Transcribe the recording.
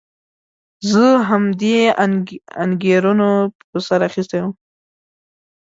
زه همدې انګېرنو په سر اخیستی وم.